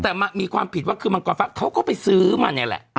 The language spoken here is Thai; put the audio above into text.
แต่มีความผิดว่าคือมังกรฟักเขาก็ไปซื้อมาเนี่ยแหละ